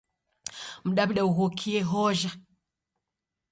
Mdaw'ida ughokie hojha.